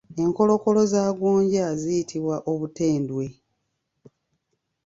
Enkolokolo za gonja ziyitibwa Obutendwe.